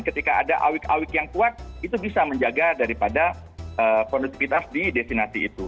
ketika ada awik awik yang kuat itu bisa menjaga daripada kondutivitas di destinasi itu